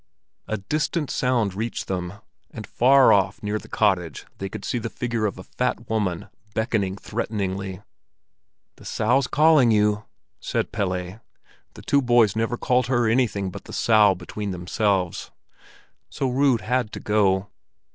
A distant sound reached them, and far off near the cottage they could see the figure of a fat woman, beckoning threateningly. "The Sow's calling you," said Pelle. The two boys never called her anything but "the Sow" between themselves. So Rud had to go.